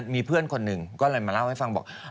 มีเพื่อนคนหนึ่งก็เลยมาเล่าให้ฟังบอก